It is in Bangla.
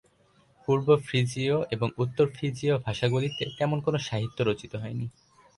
পূর্ব ফ্রিজীয় এবং উত্তর ফ্রিজীয় ভাষাগুলিতে তেমন কোন সাহিত্য রচিত হয়নি।